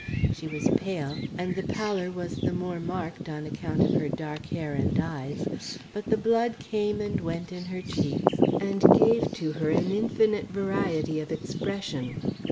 She was pale and the pallor was the more marked on account of her dark hair and eyes, but the blood came and went in her cheeks, and gave to her an infinite variety of expression.